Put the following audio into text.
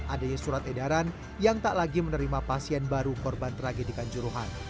adanya surat edaran yang tak lagi menerima pasien baru korban tragedikan juruhan